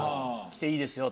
来ていいですよ！